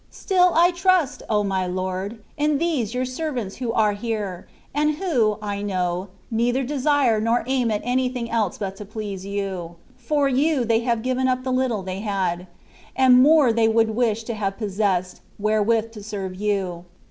Still, I trust, O my Lord ! in these your servants who are here, and who, I know, neither desire nor aim at anything else but to please you. For you they have given up the little they had ; and more they would wish to have possessed, wherewith to serve you.